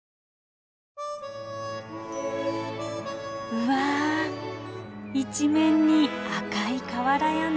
うわ一面に赤い瓦屋根。